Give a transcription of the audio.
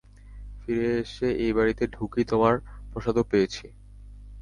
ফিরে এসে এই বাড়িতে ঢুকেই তোমার প্রসাদও পেয়েছি।